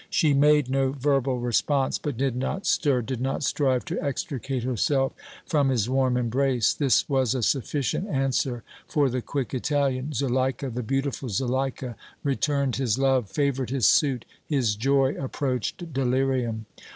She made no verbal response, but did not stir, did not strive to extricate herself from his warm embrace This was a sufficient answer for the quick Italian. Zuleika, the beautiful Zuleika, returned his love, favored his suit. His joy approached delirium.